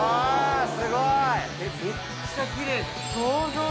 すごい！